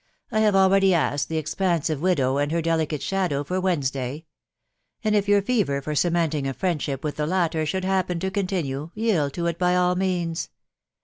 I have already asked the 'expansive widow and her delicate shadow for Wednesday ; and if your fever for cementing a friendship with the latter should happen to continue, yield to it by all means